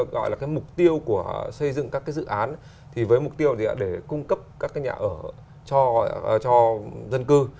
gọi là mục tiêu của xây dựng các dự án thì với mục tiêu để cung cấp các nhà ở cho dân cư